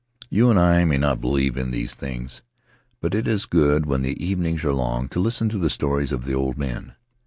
You and I may not believe in these things, but it is good, when the evenings are long, to listen to the stories of the old men.